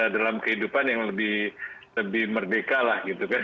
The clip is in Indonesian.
dalam kehidupan yang lebih merdeka lah gitu kan